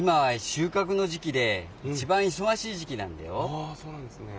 あそうなんですね。